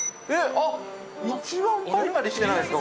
一番パリパリしてないですか？